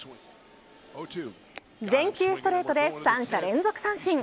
全球ストレートで三者連続三振。